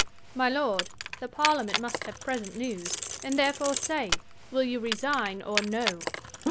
Trus. My, lord, the parliament must have present news; And therefore say, will you resign or no?